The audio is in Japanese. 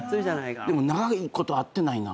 でも長いこと会ってないな。